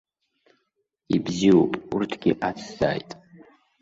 Ибзиоуп, урҭгьы ацзааит!